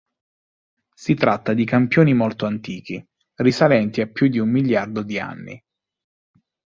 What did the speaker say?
Si tratta di campioni molto antichi, risalenti a più di un miliardo di anni.